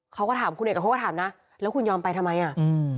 เขาก็ถามคุณเอกพบก็ถามนะแล้วคุณยอมไปทำไมอ่ะอืม